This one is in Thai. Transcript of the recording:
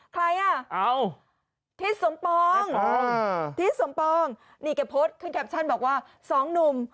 ใครอ่ะทิศสมปองทิศสมปองนี่แกโพสต์ขึ้นแคปชั่นบอกว่าสองหนุ่ม